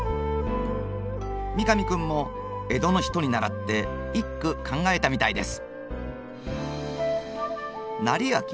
三上君も江戸の人に倣って一句考えたみたいです。